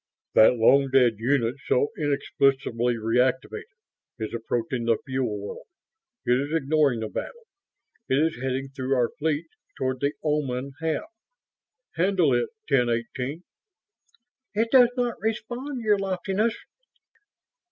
"That long dead unit, so inexplicably reactivated, is approaching the fuel world. It is ignoring the battle. It is heading through our fleet toward the Oman half ... handle it, ten eighteen!" "It does not respond, Your Loftiness."